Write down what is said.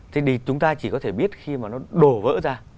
thế thì chúng ta chỉ có thể biết khi mà nó đổ vỡ ra